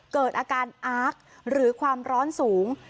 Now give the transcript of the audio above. เกิดอาการอาร์กหรือความร้อนสูง